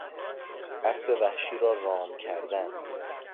اسب وحشی را رام کردن